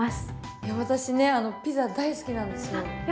いや私ねピザ大好きなんですよ。